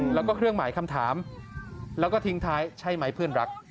แล้วก็เครื่องหมายคำถามแล้วก็ทิ้งท้ายใช่ไหมเพื่อนรัก